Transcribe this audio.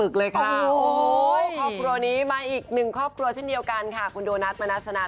กลับกันเลยดีกว่าค่ะ